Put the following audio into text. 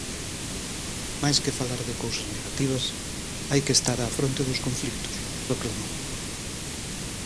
Máis que falar de cousas negativas, hai que estar á fronte dos conflitos, proclamou.